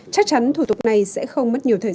chắc chắn thủ tục này sẽ không mất nhiều thời gian